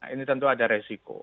ini tentu ada resiko